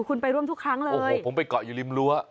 คุณไปร่วมทุกครั้งเลยโอ้โหผมไปเกาะอยู่ริมรั้ว